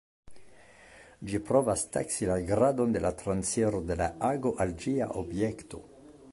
Ĝi provas taksi la gradon de la transiro de la ago al ĝia objekto.